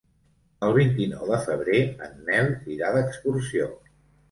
El vint-i-nou de febrer en Nel irà d'excursió.